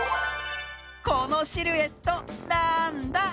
このシルエットなんだ？